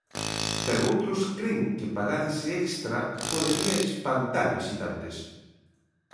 Pero outros cren que pagar ese extra podería espantar visitantes.